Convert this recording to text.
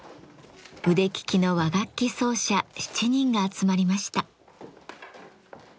腕利きの和楽器奏者７人が集まりました。